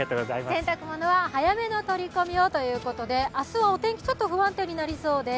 洗濯物は早めの取り込みをということで明日はお天気、ちょっと不安定になりそうです。